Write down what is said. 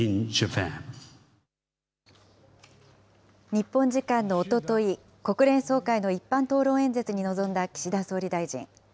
日本時間のおととい、国連総会の一般討論演説に臨んだ岸田総理大臣。